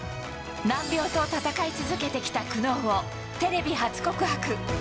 難病と闘い続けてきた苦悩を、テレビ初告白。